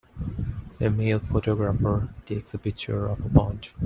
A male photographer takes a picture of a pond.